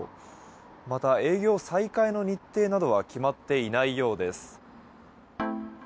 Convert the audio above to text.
また営業再開の日程などは決まっていないようです。